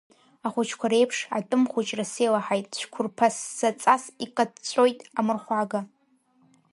Ахәыҷқәа реиԥш, атәым хәыҷра сеилаҳаит, цәқәырԥа ссаҵас икаҵәоит амырхәага.